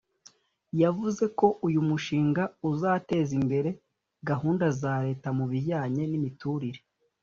yavuze ko uyu mushinga uzateza imbere gahunda za Leta mu bijyanye n’imiturire